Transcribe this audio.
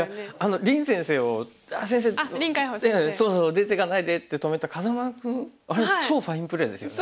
「出ていかないで」って止めた風間君あれ超ファインプレーですよね。